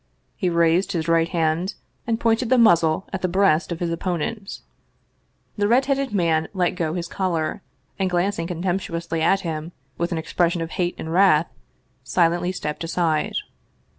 He raised his right hand and pointed the muzzle at the breast of his opponent. The red headed man let go his collar, and glancing con temptuously at him, with an expression of hate and wrath, silently stepped aside.